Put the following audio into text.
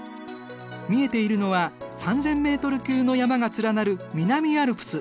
見えているのは３，０００メートル級の山が連なる南アルプス。